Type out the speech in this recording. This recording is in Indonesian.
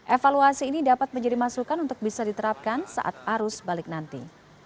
evaluasi ini dapat menjadi masukan untuk bisa diterapkan saat arus balik nanti